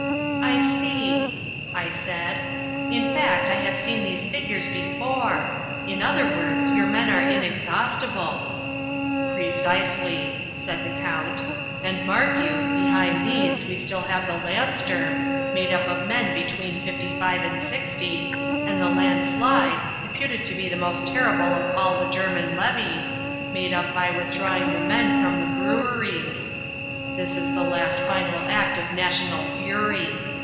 "I see," I said. "In fact, I have seen these figures before. In other words, your men are inexhaustible." "Precisely," said the Count, "and mark you, behind these we still have the Landsturm, made up of men between fifty five and sixty, and the Landslide, reputed to be the most terrible of all the German levies, made up by withdrawing the men from the breweries. That is the last final act of national fury.